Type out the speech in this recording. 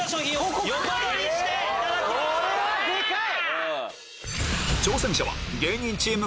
これはでかい！